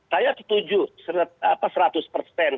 saya setuju seratus persen